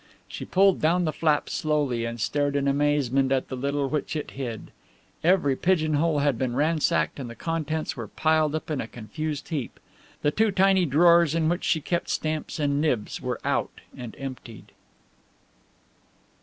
She pulled down the flap slowly and stared in amazement at the little which it hid. Every pigeon hole had been ransacked and the contents were piled up in a confused heap. The two tiny drawers in which she kept stamps and nibs were out and emptied.